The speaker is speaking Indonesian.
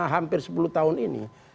hampir sepuluh tahun ini